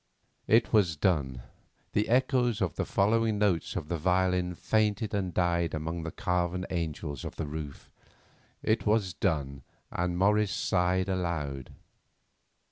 It was done; the echoes of the following notes of the violin fainted and died among the carven angels of the roof. It was done, and Morris sighed aloud.